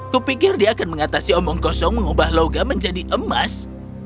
kupikir dia akan mengatasi omong kosong mengubah logam menjadi emas